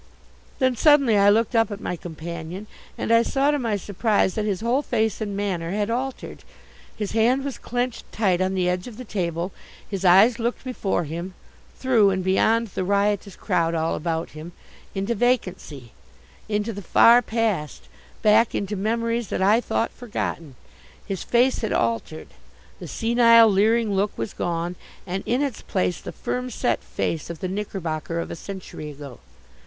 Then suddenly I looked up at my companion, and I saw to my surprise that his whole face and manner had altered. His hand was clenched tight on the edge of the table. His eyes looked before him through and beyond the riotous crowd all about him into vacancy, into the far past, back into memories that I thought forgotten. His face had altered. The senile, leering look was gone, and in its place the firm set face of the Knickerbocker of a century ago.